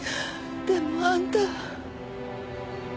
でもあんた。